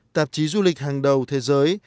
tạp chí du lịch hàng đầu thế giới